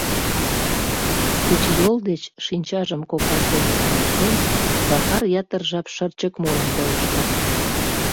Кечыйол деч шинчажым копаж дене ӱмылтен, Захар ятыр жап шырчык мурым колышто.